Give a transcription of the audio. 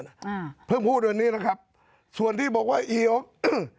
อ่าเพิ่งพูดวันนี้นะครับส่วนที่บอกว่าอีโอ